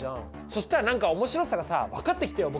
そしたら何か面白さがさ分かってきたよ